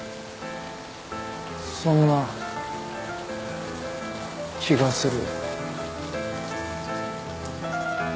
そんな気がする。